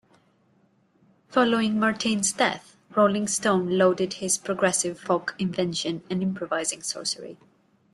Following Martyn's death, "Rolling Stone" lauded his "progressive-folk invention and improvising sorcery.